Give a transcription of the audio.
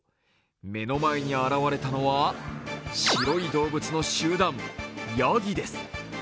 目の前に現れたのは白い動物の集団、やぎです。